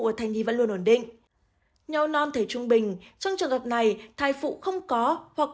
và thai nhi vẫn luôn ổn định nhò non thể trung bình trong trường hợp này thai phụ không có hoặc